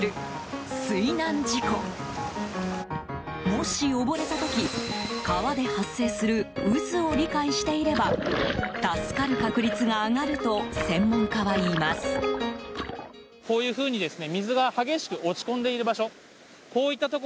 もし溺れた時川で発生する渦を理解していれば助かる確率が上がると専門家は言います。